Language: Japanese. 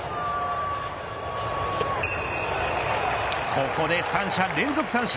ここで三者連続三振。